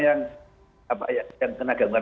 yang kena gangguan